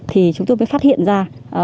thì chúng tôi mới phát hiện ra